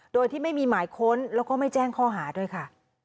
โดยที่ไม่มีหมายค้นแล้วก็ไม่แจ้งข้อหาด้วยค่ะ